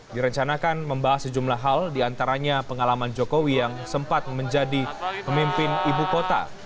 direncanakan membahas sejumlah hal diantaranya pengalaman jokowi yang sempat menjadi pemimpin ibu kota